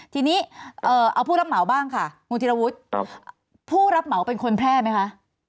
ทีนี้เอาผู้รับเหมาบ้างค่ะคุณธิรวุฒิผู้รับเหมาเป็นคนแพร่ไหมคะ